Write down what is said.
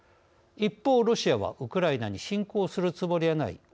一方、ロシアはウクライナに侵攻するつもりはない。